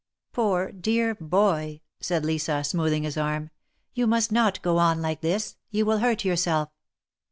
Poor, dear boy !" said Lisa, smoothing his arm, " you must not go on like this; you will hurt yourself."